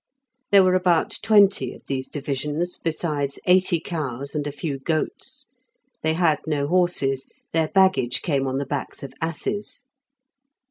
There were about twenty of these divisions, besides eighty cows and a few goats. They had no horses; their baggage came on the backs of asses.